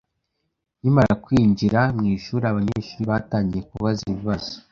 Nkimara kwinjira mu ishuri, abanyeshuri batangiye kubaza ibibazo.